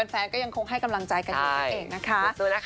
แฟนก็ยังคงให้กำลังใจกันอยู่นั่นเองนะคะ